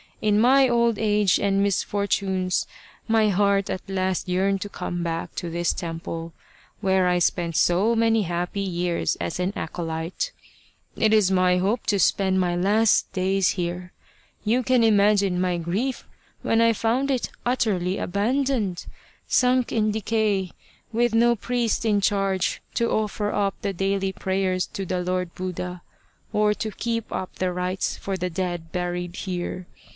In my old age and mis fortunes my heart at last yearned to come back to this s 273 The Badger Haunted Temple temple, where I spent so many happy years as an acolyte. It is my hope to spend my last days here. You can imagine my grief when I found it utterly abandoned, sunk in decay, with no priest in charge to offer up the daily prayers to the Lord Buddha, or to keep up the rites for the dead buried here.